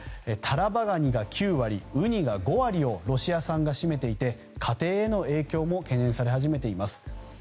タラバガニが９割、ウニが５割をロシア産が占めていて家庭への影響も懸念され始めています。